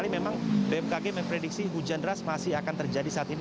memang bmkg memprediksi hujan deras masih akan terjadi saat ini